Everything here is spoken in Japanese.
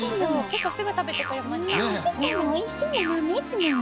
結構すぐ食べてくれました」